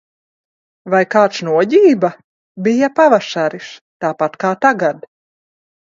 Vai kāds noģība? Bija pavasaris. Tāpat kā tagad.